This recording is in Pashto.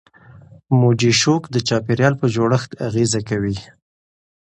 موجي شوک د چاپیریال په جوړښت اغېزه کوي.